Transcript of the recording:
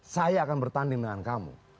saya akan bertanding dengan kamu